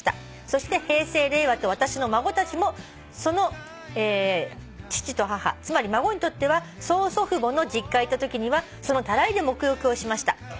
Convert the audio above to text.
「そして平成令和と私の孫たちもその父と母つまり孫にとっては曽祖父母の実家へ行ったときにはそのタライで沐浴をしました」